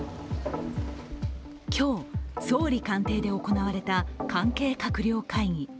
今日、総理官邸で行われた関係閣僚会議。